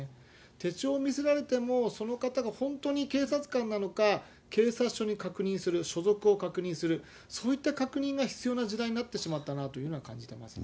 手帳を見せられても、その方が本当に警察官なのか、警察署に確認する、所属を確認する、そういった確認が必要な時代になってしまったなというふうには感じていますね。